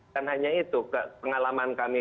kan hanya itu pengalaman kami